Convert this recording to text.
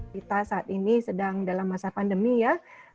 kita saat ini sedang dalam masa pandemi ya